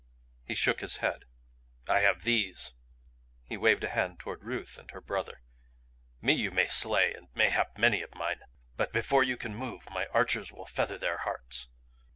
He shook his head. "I have these," he waved a hand toward Ruth and her brother. "Me you may slay and mayhap many of mine. But before you can move my archers will feather their hearts."